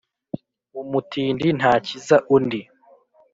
Umutindi ntakiza undi.